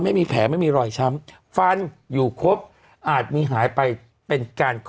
ไม่มีแผลไม่มีรอยช้ำฟันอยู่ครบอาจมีหายไปเป็นการ